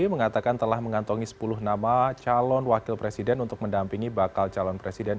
mengatakan telah mengantongi sepuluh nama calon wakil presiden untuk mendampingi bakal calon presiden